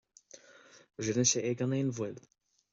Rinne sé é gan aon mhoill.